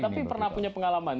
tapi pernah punya pengalaman